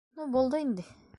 Ну, булды инде...